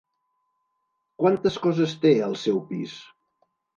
Quantes coses té el seu pis?